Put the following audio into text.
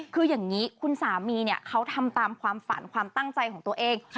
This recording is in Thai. คืออย่างนี้คุณสามีเขาทำตามความฝันความตั้งใจของตัวเอง